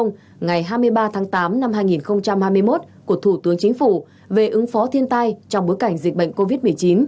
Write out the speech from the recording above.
ngày hai mươi ba tháng tám năm hai nghìn hai mươi một của thủ tướng chính phủ về ứng phó thiên tai trong bối cảnh dịch bệnh covid một mươi chín